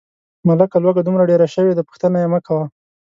ملکه لوږه دومره ډېره شوې ده، پوښتنه یې مکوه.